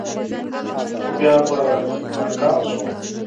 خو بیا به ناکام شوم.